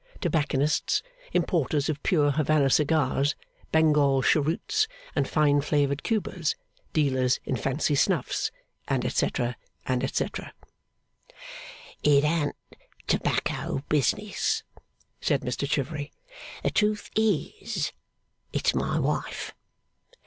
Tobacconists, Importers of pure Havannah Cigars, Bengal Cheroots, and fine flavoured Cubas, Dealers in Fancy Snuffs, &c. &c. '(Private) It an't tobacco business,' said Mr Chivery. 'The truth is, it's my wife.